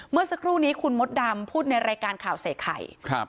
เมื่อสักครู่นี้คุณมดดำพูดในรายการข่าวใส่ไข่ครับ